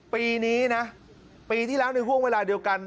ปีนี้นะปีที่แล้วในห่วงเวลาเดียวกัน